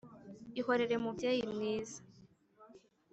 ihorere mubyeyi mwiza